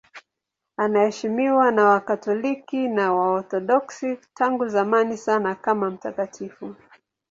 Anaheshimiwa na Wakatoliki na Waorthodoksi tangu zamani sana kama mtakatifu.